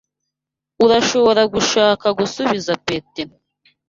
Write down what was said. Urashobora gushaka gusubiza Petero.